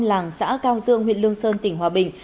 làng xã cao dương huyện lương sơn tỉnh hòa bình